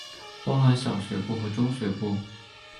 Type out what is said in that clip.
包含小学部和中学部。